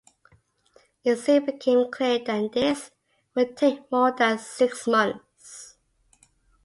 It soon became clear that this would take more than six months.